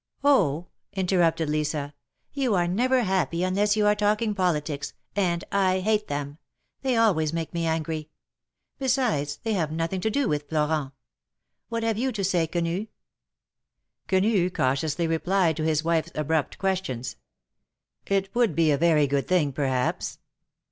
" Oh !" interrupted Lisa, " you are never happy un less you are talking politics, and I hate them ; they al ways make me angry. Beside, they have nothing to do with Florent. What have you to say, Quenu?" Quenu cautiously replied to his wife^s abrupt questions :" It would be a very good thing, perhaps."